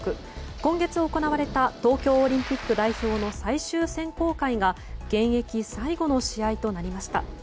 今月行われた東京オリンピック代表の最終選考会が現役最後の試合となりました。